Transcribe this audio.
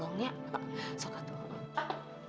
kayaknya nggak punya keluarga aja